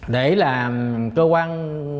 để là cơ quan